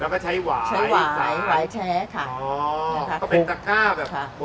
อ๋อมันก็เป็นสักค่าแบบโบราณ